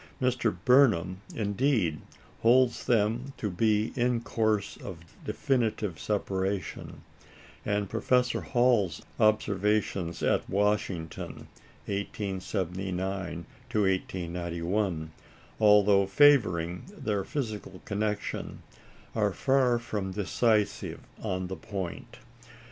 Mr. Burnham, indeed, holds them to be in course of definitive separation; and Professor Hall's observations at Washington, 1879 to 1891, although favouring their physical connection, are far from decisive on the point.